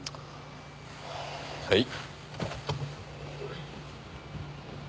はい。